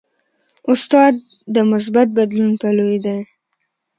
استاد د مثبت بدلون پلوی دی.